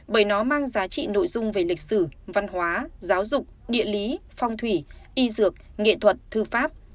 bởi nó mang giá trị nội dung về lịch sử văn hóa giáo dục địa lý phong thủy y dược nghệ thuật thư pháp